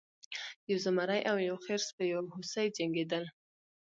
یو زمری او یو خرس په یو هوسۍ جنګیدل.